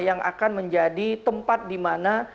yang akan menjadi tempat dimana